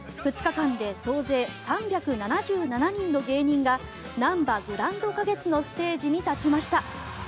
２日間で総勢３７７人の芸人がなんばグランド花月のステージに立ちました。